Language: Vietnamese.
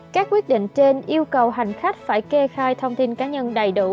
các quyết định trên yêu cầu hành khách phải kê khai thông tin cá nhân đầy đủ